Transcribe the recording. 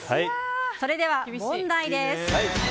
それでは問題です。